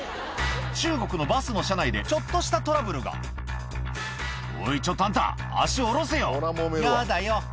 中国のバスの車内でちょっとしたトラブルが「おいちょっとあんた足下ろせよ」「ヤダよ」